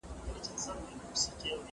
جزيه د وفادارۍ يوه نښه ده.